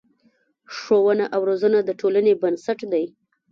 ښوونه او روزنه د ټولنې بنسټ دی.